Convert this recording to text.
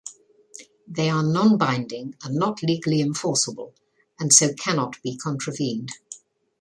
They are non-binding and not legally enforceable and so cannot be contravened.